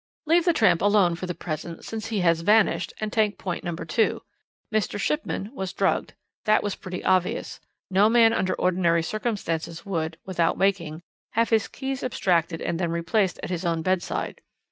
"Leave the tramp alone for the present since he has vanished, and take point number two. Mr. Shipman was drugged. That was pretty obvious; no man under ordinary circumstances would, without waking, have his keys abstracted and then replaced at his own bedside.